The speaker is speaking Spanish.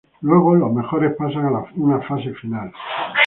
Luego, los mejores pasan a una fase final.